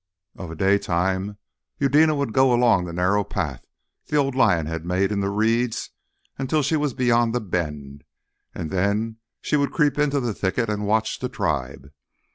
Of a daytime Eudena would go along the narrow path the old lion had made in the reeds until she was beyond the bend, and then she would creep into the thicket and watch the tribe.